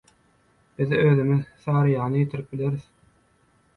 Biz özümiz «Saryýany» ýitirip bileris